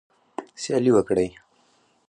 سیالي وکړئ